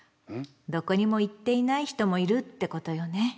どこにも行っていない人もいるってことよね。